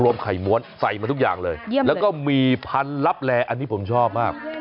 ไข่ม้วนใส่มาทุกอย่างเลยแล้วก็หมี่พันลับแลอันนี้ผมชอบมาก